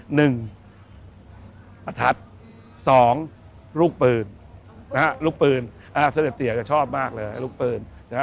หนึ่งอทัศน์สองลูกปืนเสด็จเตียจะชอบมากเลยลูกปืน